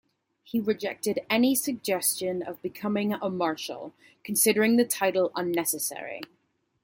He rejected any suggestion of becoming a Marshal, considering the title unnecessary.